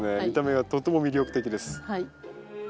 見た目がとっても魅力的です。